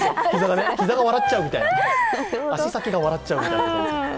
膝が笑っちゃうみたいな、足先が笑っちゃう。